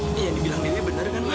ini yang dibilang diri benar kan ma